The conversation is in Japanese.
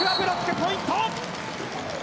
ポイント！